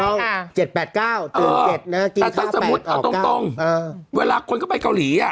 ต้องเก็บแปดเก้าตื่นเก็บนะสมมุติอ่ะตรงตรงเออเวลาคนเข้าไปเกาหลีอ่ะ